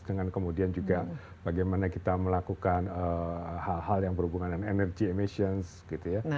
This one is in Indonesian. dengan kemudian juga bagaimana kita melakukan hal hal yang berhubungan dengan energy emissions gitu ya